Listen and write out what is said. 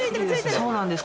そうなんです。